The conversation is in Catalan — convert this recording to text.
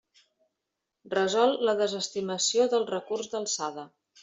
Resol la desestimació del recurs d'alçada.